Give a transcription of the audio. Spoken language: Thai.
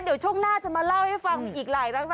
เดี๋ยวช่วงหน้าจะมาเล่าให้ฟังมีอีกหลายเรื่อง